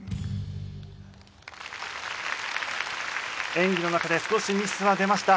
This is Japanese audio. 演技の中で少しミスは出ました。